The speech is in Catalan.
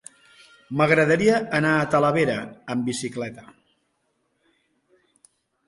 M'agradaria anar a Talavera amb bicicleta.